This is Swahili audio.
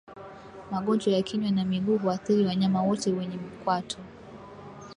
Magonjwa ya kinywa na miguu huathiri wanyama wote wenye kwato